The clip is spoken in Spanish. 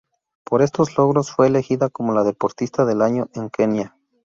Por estos logros, fue elegida como la deportista del año en Kenia.